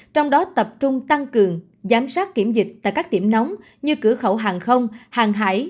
trong đó tập trung tăng cường giám sát kiểm dịch tại các điểm nóng như cửa khẩu hàng không hàng hải